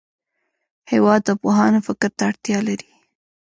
هېواد د پوهانو فکر ته اړتیا لري.